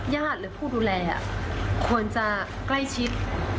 หรือผู้ดูแลควรจะใกล้ชิด